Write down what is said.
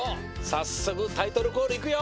さっそくタイトルコールいくよ！